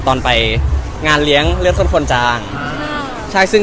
ตอนไปงานเลี้ยงเลือดแตนโฝนจัง